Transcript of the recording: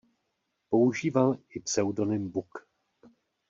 Používal i pseudonym Buk.